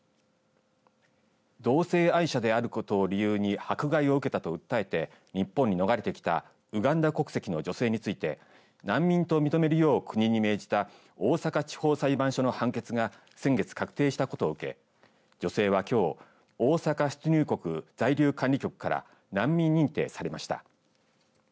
同性愛者であることを理由に迫害を受けたと訴えて日本に逃れてきたウガンダ国籍の女性について難民と認めるよう国に命じた大阪地方裁判所の判決が先月確定したことを受け女性はきょう大阪出入国在留管理局から難民認定されました。